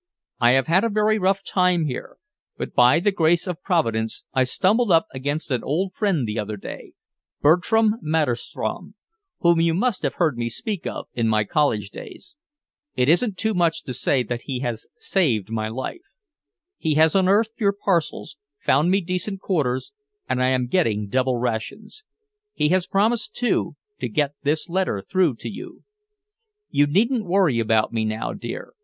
I have had a very rough time here, but by the grace of Providence I stumbled up against an old friend the other day, Bertram Maderstrom, whom you must have heard me speak of in my college days. It isn't too much to say that he has saved my life. He has unearthed your parcels, found me decent quarters, and I am getting double rations. He has promised, too, to get this letter through to you. You needn't worry about me now, dear.